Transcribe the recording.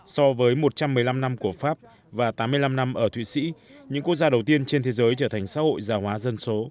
so với một trăm một mươi năm năm của pháp và tám mươi năm năm ở thụy sĩ những quốc gia đầu tiên trên thế giới trở thành xã hội già hóa dân số